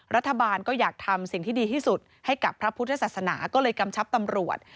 รัฐบาลก็อยากทำสิ่งที่ดีที่สุดให้กับพระพุทธศาสนาก็เลยกำชับตำรวจ